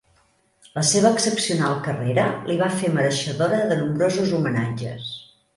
La seva excepcional carrera li va fer mereixedora de nombrosos homenatges.